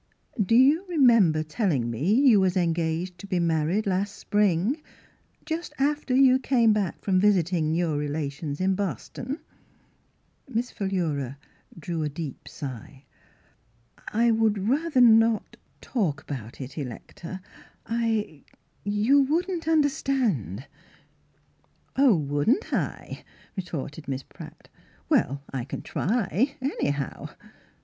Do you remember telling me you was engaged to be married last spring, just after you come back from visitin' your relations in Boston?" Miss Philura drew a deep sigh. "I — I would rather not — talk about [261 Miss Philura's Wedding Gown it, Electa. I — you wouldn't under* stand. 5J "Oh, wouldn't I?"' retorted Miss Pratt. *• Well, I can try anyhow.